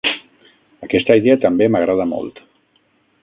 Aquesta idea també m'agrada molt.